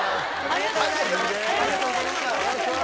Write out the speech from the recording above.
ありがとうございます。